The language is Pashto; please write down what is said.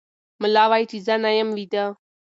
ملا وایي چې زه نه یم ویده.